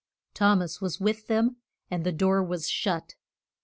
Thom as was with them and the door was shut.